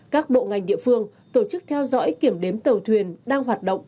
các bộ ngành địa phương tổ chức theo dõi kiểm đếm tàu thuyền đang hoạt động